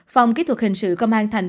phòng kỹ thuật hình sự công an tp hcm